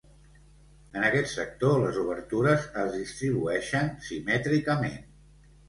En aquest sector les obertures es distribueixen simètricament.